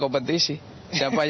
ini untuk junior pak